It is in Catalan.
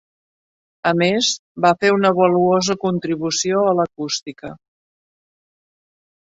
A més, va fer una valuosa contribució a l'acústica.